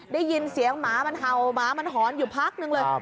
ได้ยินเสียงหมามันเห่าหมามันหอนอยู่พักนึงเลย